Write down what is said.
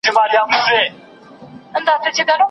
په قفس کي مي زړه شین دی له پردیو پسرلیو